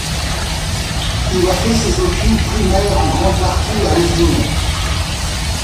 Il a fait ses études primaires en grande partie à İzmir.